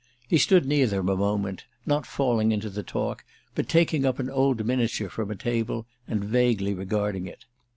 He stood near them a moment, not falling into the talk but taking up an old miniature from a table and vaguely regarding it.